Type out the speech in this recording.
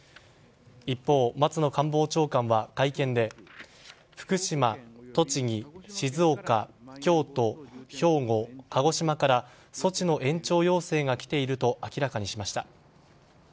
一方、松野官房長官は会見で福島、栃木、静岡、京都兵庫、鹿児島から措置の延長要請が来ていると明らかにしました。